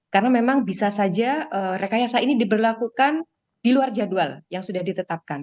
karena memang bisa saja rekayasa ini diberlakukan di luar jadwal yang sudah ditetapkan